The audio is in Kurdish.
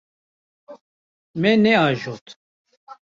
Me neajot.